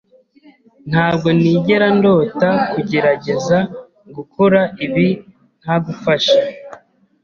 Ntabwo nigera ndota kugerageza gukora ibi ntagufasha.